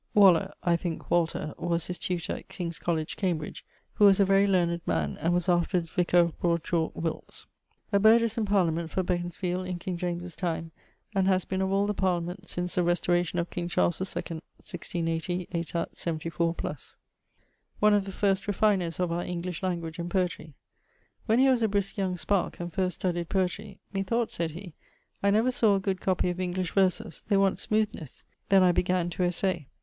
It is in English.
... Waller (I thinke, Walter) was his tutor at King's College, Cambridge, who was a very learned man, and was afterwards vicar of Broad Chalke, Wilts. A burghesse in Parliament, for Beconsfield, in king James's time, and has been of all the Parliaments since the restauration of king Charles II (1680, aetat. 74 +). One of the first refiners of our English language and poetrey. When he was a brisque young sparke, and first studyed poetry, 'Methought,' said he, 'I never sawe a good copie of English verses; they want smoothnes; then I began to essay.'